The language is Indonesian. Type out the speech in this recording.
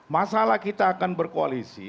masalah kita akan berkoalisi